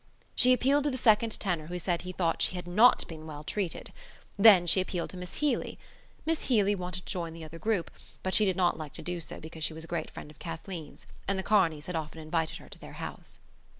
She appealed to the second tenor who said he thought she had not been well treated. Then she appealed to Miss Healy. Miss Healy wanted to join the other group but she did not like to do so because she was a great friend of Kathleen's and the Kearneys had often invited her to their house.